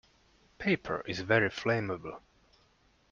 Paper is very flammable.